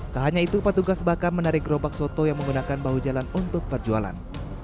tak hanya itu petugas bakar menarik gerobak soto yang menggunakan bahu jalan untuk perjualan